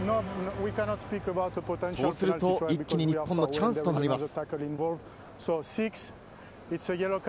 そうすると一気に日本のチャンスとなります。